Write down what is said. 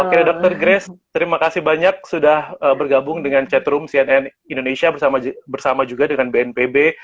oke dr grace terima kasih banyak sudah bergabung dengan chatroom cnn indonesia bersama juga dengan bnpb